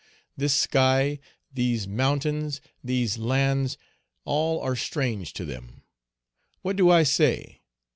This sky, these mountains, these lands, all are strange to them? What do I say?